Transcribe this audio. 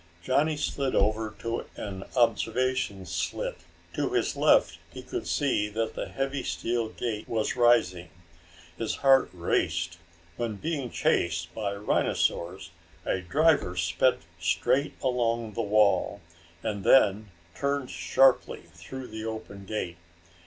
Johnny slid over to an observation slit. To his left he could see that the heavy steel gate was rising. His heart raced. When being chased by rhinosaurs a driver sped straight along the wall and then turned sharply through the open gate.